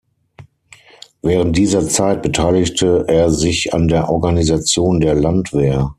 Während dieser Zeit beteiligte er sich an der Organisation der Landwehr.